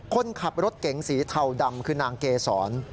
คนขับรถเก๋งสีเทาดำคือนางเกษร